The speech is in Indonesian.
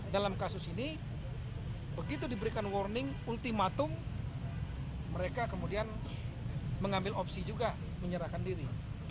dalam kasus ini begitu diberikan warning ultimatum mereka kemudian mengambil opsi juga menyerahkan diri